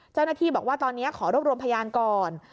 เจ้าหน้าที่บอกว่าตอนนี้ขอรวบรวมพยานก่อน